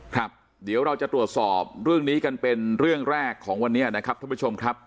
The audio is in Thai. ครับเดี๋ยวเราจะตรวจสอบเรื่องนี้กันเป็นเรื่องแรกของวันนี้นะครับท่านผู้ชมครับ